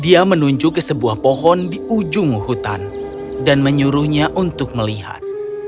dia menunjuk ke sebuah pohon di ujung hutan dan menyuruhnya untuk melihat